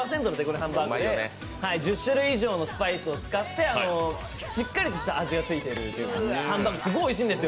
ハンバーグで１０種類以上のスパイスを使って、しっかりとした味がついているハンバーグ、すごいおいしいんですよ。